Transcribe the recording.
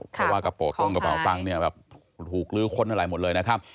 เพราะว่ากระโปรดตรงกระเป๋าตังค์เนี่ยแบบถูกลื้อค้นอะไรหมดเลยนะครับ